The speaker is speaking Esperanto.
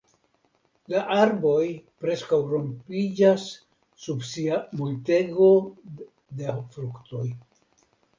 La arboj preskaŭ rompiĝas sub sia multego da fruktoj.